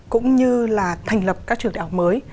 cũng như là thành lập các trường đại học mới